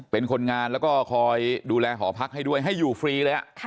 เป็นคนงานแล้วก็คอยดูแลหอพักให้ด้วยให้อยู่ฟรีเลย